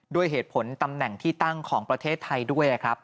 ด้วยเหตุผลตำแหน่งที่ตั้งของประเทศไทยด้วยครับ